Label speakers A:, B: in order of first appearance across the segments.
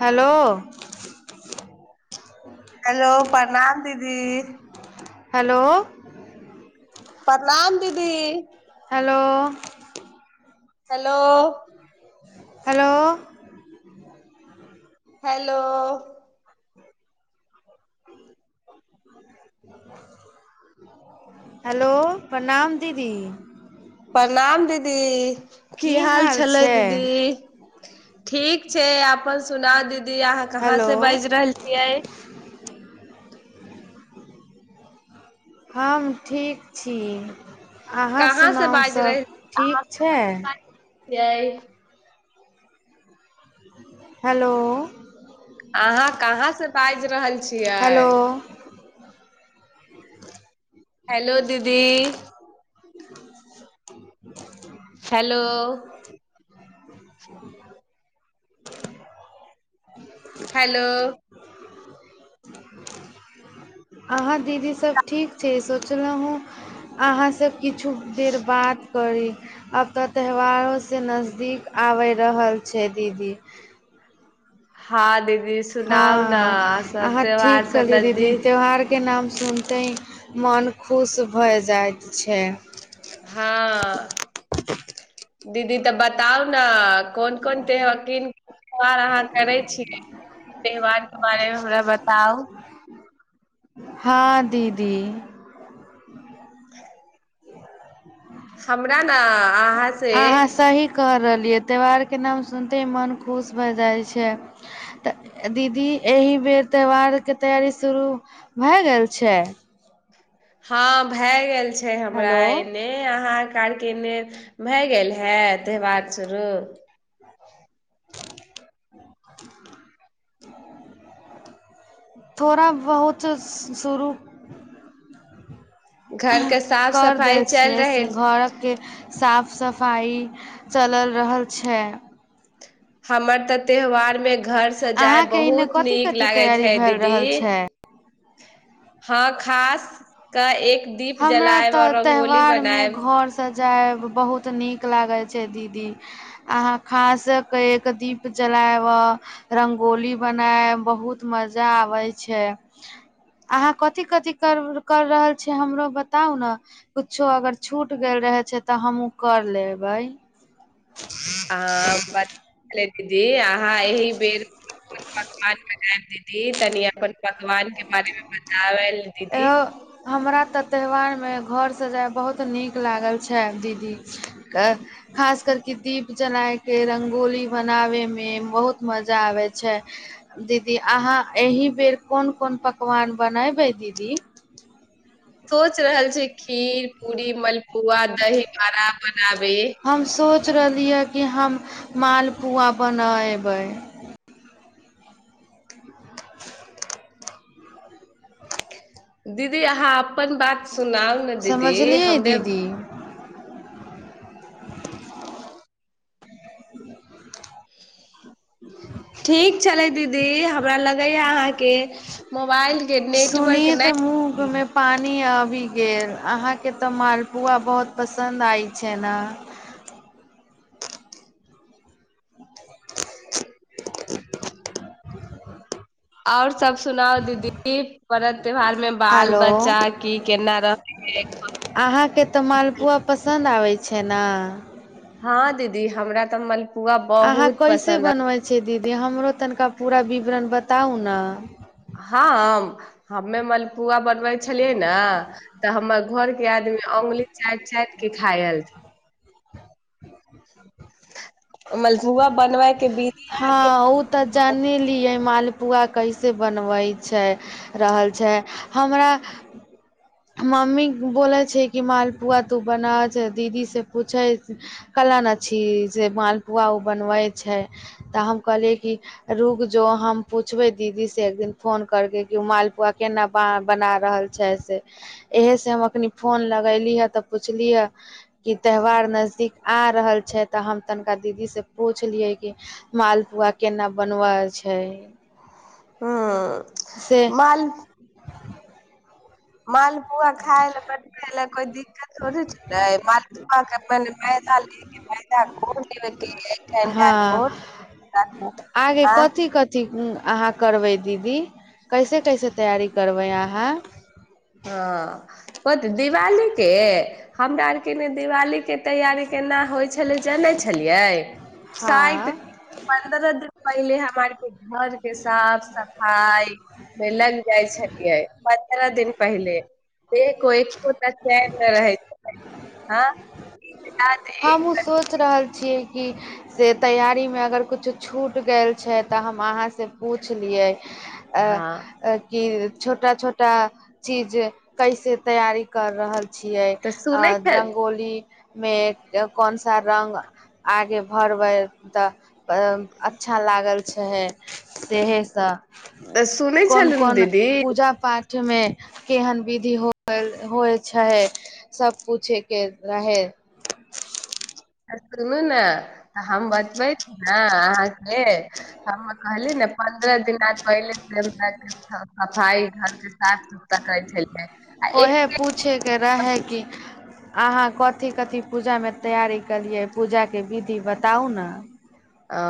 A: Hello
B: hello प्रणाम दीदी
A: hello
B: प्रणाम दीदी
A: hello
B: hello
A: hello
B: hello
A: hello प्रणाम दीदी
B: प्रणाम दीदी की हाल छलै दीदी ठीक छै अपन सुना दीदी अहाँ कहाँ
A: हेलो
B: से बाजि रहल छियै
A: हम ठीक छी अहाँ
B: कहाँ से
A: सुनाउ
B: बाजि
A: सभ ठीक छै
B: तह
A: हेलो
B: अहाँ कहाँ से बाजि रहल छी
A: हेलो
B: छियइ
A: [unintelligible]
B: हेलो दीदी हेलो हेलो
A: आह दीदी सब ठीक छै पचलहुँ हँ अहाँसँ किछु देर बात करी आब तऽ त्यौहारोसँ नजदीक आबि रहल छै दीदी
B: हँ दीदी सुनाउ ने
A: हँ
B: सब
A: अहाँ
B: त्यौहार
A: ठीक
B: सब
A: कहली दीदी
B: नजदीक
A: त्यौहार के नाम सुनते मोन खुश भऽ जाइत छै
B: हँ दीदी तऽ बताउ ने कोन कोन त्यौहारीन त्यौहार अहाँ करै छियै त्यौहारके बारेमे हमरा बताउ
A: हँ दीदी
B: हमरा ने अहाँ से
A: आहाँ सही कर रहल लियै त्यौहार के नाम सुनते ह मन खुश भए जाइ छै तऽ दीदी एहि बेर त्यौहार के तैयारी शुरू भए गेल छै
B: हँ भए गेल हमरा
A: हेलो
B: एने अहाँ केने भए गेल है त्यौहार शुरू
A: थोड़ा बहुत शुरू
B: घरके साफ
A: कर
B: सफाइ
A: दैत
B: चलि
A: छियै
B: रहल
A: घरके साफ सफाइ चलि रहल छै
B: हमर तऽ त्यौहारमे घर से जाय
A: अहाँके एने
B: बहुत
A: कथी
B: नीक
A: कथी
B: लागे
A: तैयारी
B: छै
A: भए
B: दीदी
A: रहल छै
B: हँ खास कऽ एक दीप
A: हमरा
B: जलायब आओर
A: तऽ
B: रंगोली
A: त्यौहार मे
B: बनायब
A: घर से जायब बहुत नीक लागैत दीदी अहाँ ख दीप जलाब रंगोली बनायब बहुत मजा आबे छै अहााँ कथि कथि कर कर रहल छी हमरो बताउ ने कुछो अगर छूट गेल रहे छै तऽ हमू कर लेबै
B: आ म दीदी अहाँ एहि बेर पकवान बनायब दीदी तनि अपन पकवान के बारे मे बताब
A: एो हमरा तऽ त्यौहारमे घर सजा बहुत नीक लागल छै दीदी खास करके दीप जलयके रङ्गोली बनाबैमे बहुत मजा आबै छै दीदी अहाँ एहि बेर कोन कोन पकवान बनेबै दीदी जी
B: सोच रहल छै खीर पूरी मल पुआ दही भराा बनाब
A: हम सोच यअ कि हम मालपुआ बनेबै [unintelligible]
B: दीदी अहाँ अपन बात सुनाउ ने दीदी
A: समझलियै
B: हमरे
A: दीदी [inaudible] ह
B: ठीक छललै दीदी दी हमरा लगैया अहाँके मोबाइल के नेटवर्क
A: सुनिये
B: नहि
A: तऽ मुँहमे पानी आब अहाँके तऽ मपआ बहु प आ ने [unintelligible]
B: आओर सब सुनाउ दीदी पर्व त्योहार मे बाल
A: हेलो
B: बच्चा की केना रह
A: छनाा
B: हँ दीदी हमरा तऽ मल फूआ बहुत पसन्द अ
A: अच्छे दीदी हमरो तनिका पूरा विवरण बताउ ने
B: हँ हमे मलपुआ बन छलियै ने तऽ हमर घर के आदमी औंगुली चाटि चाटि के खाय एलथि मजुआ बनबै के बीजिया
A: क ब क मम्मी बोलै छै कि मालपुआ तू बना छै दीदीसँ पूछै कहलनि छी जे मालपुआ ओ बनबै छै तऽ हम कहलियै कि रुक जो हम पूछबै दीदीसँ एकदिन फोन करके कि ओ मालपुआ केना बना रहल छै से एहे से हम अखनी फोन लगली हे तऽ पुछली हे कि त्यौहार नजदीक आ रहल छै तऽ हम तनिका दीदी से पूछलियै कि मालपुआ केना बनब छै
B: हू
A: से
B: माल मालपुआ खाय लए बनबै लए कोइ दिक्कत थोड़ छलै मालपुआके अपन पैा लेके पैसा कोर लेबैके
A: हँ आगे
B: आ
A: कथी कथी अहाँ करबै दीदी कैसे कैसे तैयारी करबै अहाँ
B: हँ दिवाली के हमरा आरके ने दिवाली के तैयारी केना होइ छलै जानै छलियै सा
A: हँ
B: पन्द्रह दिन पहिले हम आर के घर के साफ सफाई मे लग जाय छलिये पंन्द्रह दिन पहि च रह हँ
A: हमहहुँ सोचि रहल छियै कि से तैयाररीमे अगर किुछो छूटि गेल छै तऽ हम अहाँसँ पुछलियै आ
B: हँ
A: की छोटा छोटा चीज कैसे तैयारी कर रहल छी छियै
B: तऽ
A: आ
B: सुनै छ
A: रङ्गोली मेघ कोन सा रङ्ग आगे भरबै तऽ अ अच्छा लागल छै चे सेहसँ
B: तऽ सुनै छलु दीदी
A: पूजा पाठ मे केहन विधि हो होइ छै सब पूछे के रहे
B: सुनू ने तऽ हम ब ब ने अहाँ के हम कहली ने पन्द्रह दिना पहिले अच्छा सफाइ घरके साफ सुथरा करैत छलियै आ
A: ओहे
B: एक
A: अहााँ कथी कथी पूजा में तैयारी केलिये पूजा के विधि बताउ ने
B: आ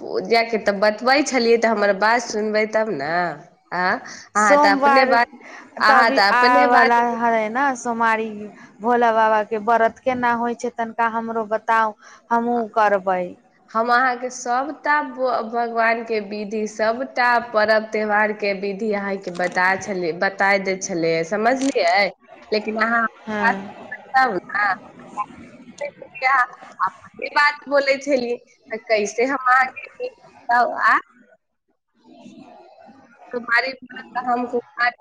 B: पूजा कत तऽ बतबै छलियै तऽ हमर बात सुनबै तब ने आ अहाँ तऽ अपने
A: सोमवार
B: बात
A: त
B: अहाँ
A: अभी
B: तऽ अपने
A: आबवला
B: बात
A: है ने सोमारी भोला बाबा के व्रत केना होइ छै तनिका हमरो बताउ हमूँ करबैय
B: सबटा ब भगवान के विधि सबटा पर्ब त्यौहार के विधि अहाँ के बता छले बताय दे छलैय से समझलियै लेकिन
A: हँ
B: अहाँत न [unintelligible] इ बात बोलैय छलिय त कैसे हम अहाँ बताउ आ
A: आ [unintelligible]
B: [unintelligible] तुम्हारे हम [unintelligible]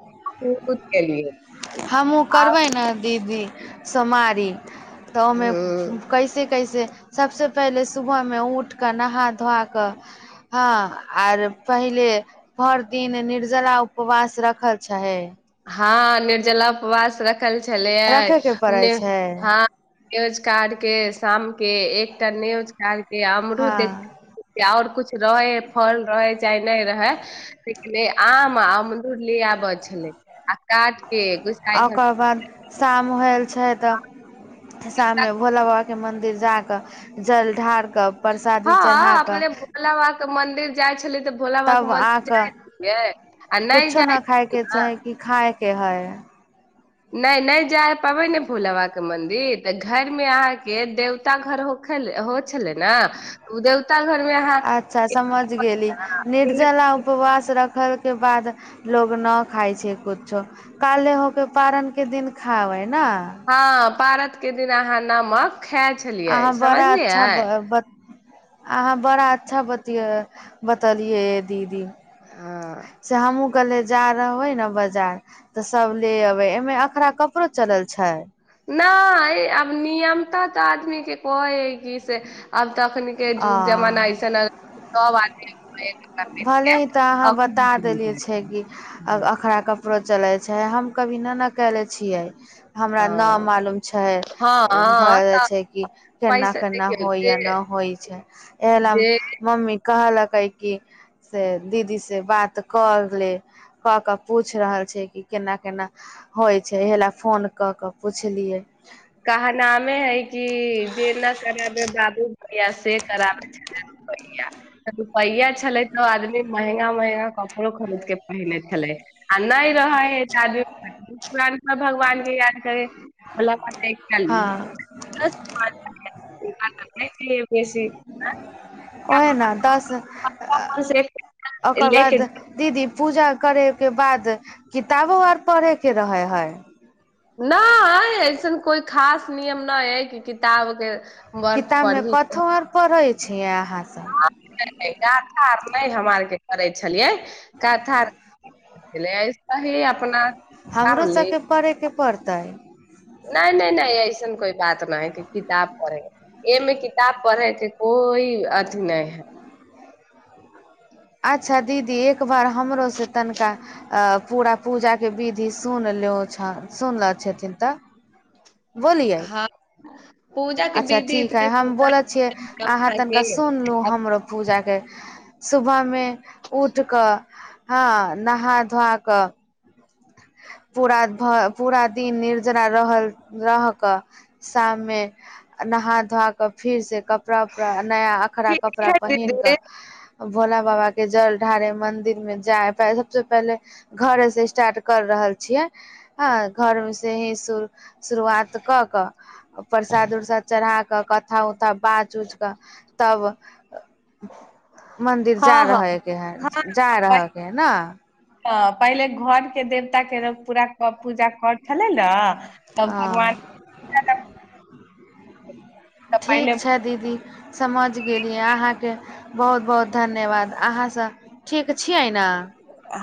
A: हमहुँ
B: आब
A: करबैय न दीदी सोमवारी तऽ ओहिमे
B: हूँ
A: कैसे कैसे सबसे पहिले सुबह मे उठ कर नहा धोआ क हाँ आर पहिले भर दिन निर्जला उपवास रखल छैय छैय [unintelligible]
B: हँ निर्जला उपवास रख रखल छलैय
A: रखे के पड़ै
B: ने
A: छै
B: हँ न्यूज कार्ड के शामके एकटा न्यूज कार्ड
A: हँ
B: अमरुदे आओर कुछ रहैय फल रहैय चाहे नहि रहैय लेकिन आम आ अमरूद ले आबै छलैय आ काट
A: आ ओकर बाद शाम होयल छैय तऽ शाममे भोला बाबा के मंन्दिर फिर जाकअ जल ढार कऽ परसादी
B: हँ
A: चढ़ा
B: अपने
A: कऽ
B: भोलाबाबा मंदिर जाइ छलैय त भोला बाबा के
A: तब आ
B: मंदिर
A: कऽ
B: जाइ छियैय आ नहि
A: कुछो
B: जाइ
A: न खाय
B: छियैय
A: के
B: ने
A: छै कि खाय के हइ
B: नहि नहि जाइ पबैय ने भोला बाबाके मंन्दिर तऽ घरमे अहाँके देवता घर होखेले होत छलैय ने ओ देवता घरमे अहाँ
A: अच्छा समझ गेली
B: [unintelligible]
A: खल के बाद लोग न खााय छै कुछो काले हो के पारण के दिन खााबे
B: हँ पारत एकके दिन अहाँ नमक खा छलियै समझलियै
A: ब अहाँ बड़ा अच्छा बत बतलियै दीदी
B: हँ
A: सेह हम कहल बजार रहबे ने बजार तऽ सब ले अबे एमे अखरा कपड़ो चलल छै
B: नहि आब नियमता तऽ आदमी के कहै की से आब तऽ एखन के जुग जमाना
A: आ
B: अऐसन आ
A: भले ही तऽ अहाँ बता देलियै छै कि आ अखरा क कपड़ो चले छै हम कभी न ने केले छियै हमरा नहि मालूम छै
B: हँ हँ
A: भए जाइ
B: तऽ
A: छै कि केना
B: पैसा
A: केना
B: देखियौ
A: होइ
B: जे
A: या नहि होइ छै ए ल
B: जे
A: मम्मी कहलक कैकी से दीदीसँ बात कऽ ले कऽ कऽ पूछि रहल छै कि केना केना होइ छै इह लए फोन कऽ कऽ पुछलियै
B: कहनामे है कि जे नहि कराबे बाबू भैया से कराबे छल भैा रुपैआा छलै तऽ आदमी महंगा महंगा कपड़ो खरीद के पहिनेै आ नहि रहै हैम पुरान पर भगवान के याद करे मतलब
A: हँ
B: एक बेसी
A: ओहे न दस ओकर
B: ले के
A: बाद दीदी पूजा करे के बाद किताबो आर पढ़े के रहे है
B: नहि ऐसन कोइ खास नियम नहि हइ कि किताबके
A: कि तमे कथमर पै छिया
B: [unintelligible] नहि हमरा आरके करै छलियै कथर आे आइ त ही अपना कर
A: हमरो
B: ली
A: सभके पयके पड़तै
B: नहि नहि नहि ऐसन कोइ बात नहि है कि किताब पढ़े एमे किताब पढ़े के कोइ अथी नहि है
A: अच्छा दीदी एक बार हमरोसँ तनिका पूरा पूजाके विधि सुन लियौ छौ सुनलो छथिन तऽ बोलिये
B: हँ पूजा के
A: अच्छा
B: विधि
A: ठीक है
B: इतने
A: हम बोलै छियै अहाँ तनिका
B: सुनाइ
A: सुनलू
B: अब
A: हमरो पूजा के सुबह मे उठ कऽ हँ नहा धोआ कऽ। पूरा भ पूरा दिन निर्जरा रहल रहके शाम मे नहा धोआ कऽ फिर से। कपड़ा उपड़ा नया अखरा
B: ठीक
A: कपड़ा
B: है
A: पहिनक
B: दीदी
A: कऽ। भोला बाबा के जल ढारे मंदिर मे जाय सबसे पहले घर स्टार्ट। कर रहल छियै ह घर मे से ही शल। शुरुआत कऽ कऽ प्रसाद उरसाद चढ़ा कऽ कथा उथा बाच उच कऽ तब। मन्दिर जा
B: हँ हँ
A: रहेके है जा रहेके हइ न।
B: त पहिले घर के देवता के र पूरा पूजा कर। छलै ने तब
A: हँ
B: भगवान। पहिले
A: ठीक छै दीदी। समझ गेलिय अहाँके बहुत बहुत धन्यवाद अहाँ सब ठीक। पूछियइ न।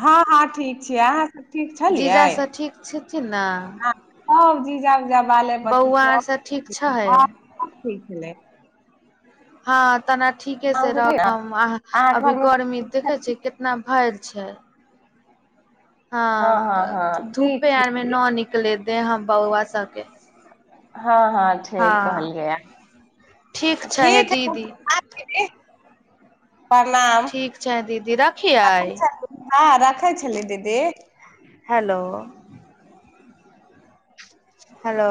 B: हँ हँ ठीक छै आहा। ठीक छलियै
A: जीजासँ ठीक छथिन ने
B: ह सब जीजा उजा बाले बच्चु
A: बौआ आरसँ ठीक छै
B: सब ठीक छलै।
A: हँ त। ठीके
B: हम
A: से
B: तऽ छै ने
A: रखब अ
B: अहाँ
A: अभी
B: घरमे
A: गर्मी
B: सब
A: देखे छी कितना भरि। छै।
B: हँ हँ
A: ह
B: हँ ठीक
A: धूपे
B: छै
A: आर मे न निकले। देह हम बौआ सके।
B: हँ हँ ठिक कहैलीय ह
A: छै हे
B: ठीक
A: दीदी
B: है। प्रणाम
A: ठीक छै दीदी रखियै
B: रखै छल हँ रखै छली दीदी।
A: Hello hello.